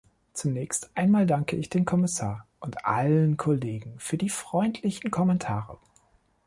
Zunächst einmal danke ich dem Kommissar und allen Kollegen für die freundlichen Kommentare.